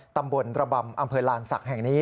ตำบลระบำอำเภอลานศักดิ์แห่งนี้